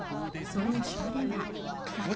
その下では。